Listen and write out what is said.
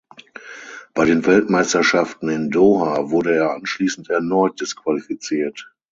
Bei den Weltmeisterschaften in Doha wurde er anschließend erneut disqualifiziert.